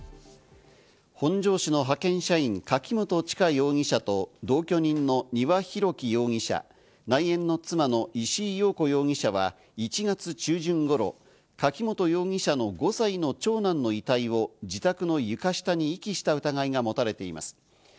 本庄市の派遣社員・柿本知香容疑者と同居人の丹羽洋樹容疑者、内縁の妻の石井陽子容疑者は１月中旬頃、柿本容疑者の５歳の長男の遺体を自宅の床下に遺棄した疑いがもたれています。